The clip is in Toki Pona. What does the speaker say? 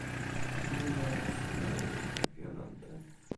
mi wile ala sona e unpa pi jan ante.